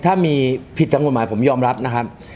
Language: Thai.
ถ้ามีผิดทางกฎหมายผมยอมรับนะครับ